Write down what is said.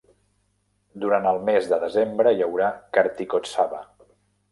Durant el mes de desembre hi haurà Karthikotsava.